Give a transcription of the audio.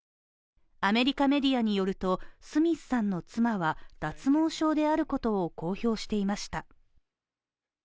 アメリカメディアによると、スミスさんの妻は脱毛症であることを公表していました。